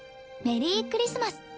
メリークリスマス。